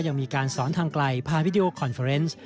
ยังมีการสอนทางไกลผ่านวิดีโอคอนเฟอร์เนส